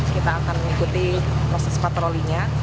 kita akan mengikuti proses patrolinya